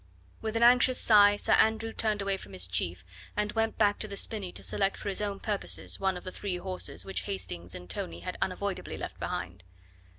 With an anxious sigh, Sir Andrew turned away from his chief and went back to the spinney to select for his own purpose one of the three horses which Hastings and Tony had unavoidably left behind.